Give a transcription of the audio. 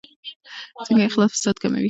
څنګه اخلاص فساد کموي؟